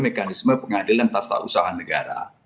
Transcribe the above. mekanisme pengadilan tas tak usaha negara